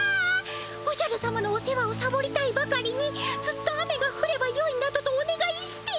おじゃる様のお世話をサボりたいばかりにずっと雨がふればよいなどとおねがいして。